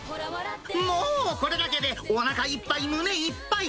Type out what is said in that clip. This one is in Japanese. もう、これだけで、おなかいっぱい、胸いっぱい。